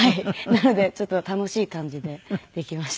なのでちょっと楽しい感じでできました。